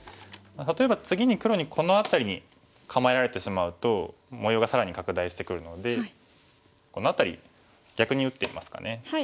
例えば次に黒にこの辺りに構えられてしまうと模様が更に拡大してくるのでこの辺り逆に打ってみますかね。